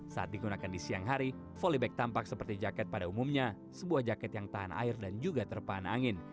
saat digunakan di siang hari volleyback tampak seperti jaket pada umumnya sebuah jaket yang tahan air dan juga terpahan angin